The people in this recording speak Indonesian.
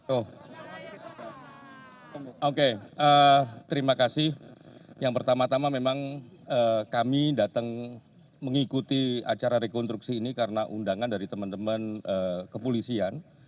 oh oke terima kasih yang pertama tama memang kami datang mengikuti acara rekonstruksi ini karena undangan dari teman teman kepolisian